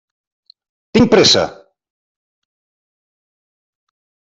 Tinc pressa.